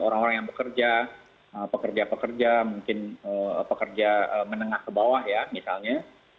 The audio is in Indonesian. orang orang yang bekerja pekerja pekerja mungkin pekerja menengah ke bawah ya misalnya